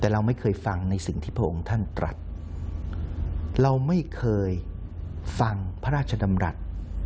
เราไม่เคยฟังพระราชดำรัฐ